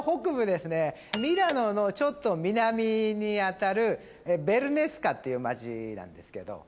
ミラノのちょっと南に当たるヴェルナスカっていう街なんですけど。